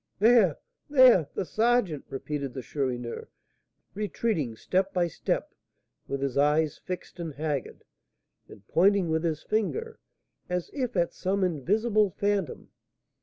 "There! there! the sergeant!" repeated the Chourineur, retreating step by step, with his eyes fixed and haggard, and pointing with his finger as if at some invisible phantom.